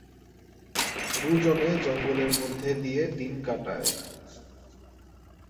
দুজনে জঙ্গলের মধ্যে দিয়ে দিন কাটায়।